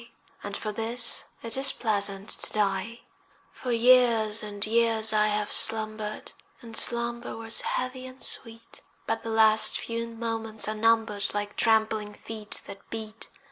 And for this it is pleasant to die. For years and years I have slumbered, And slumber was heavy and sweet, But the last few moments are numbered Like trampling feet that beat.